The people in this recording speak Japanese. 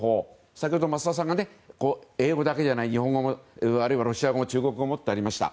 先ほど、増田さんが英語だけじゃなく日本語、ロシア語、中国語もとありました。